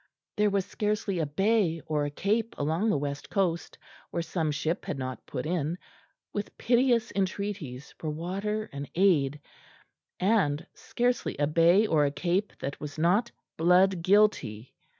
There was scarcely a bay or a cape along the west coast where some ship had not put in, with piteous entreaties for water and aid and scarcely a bay or a cape that was not blood guilty.